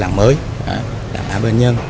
làng mới làng a ma nhiên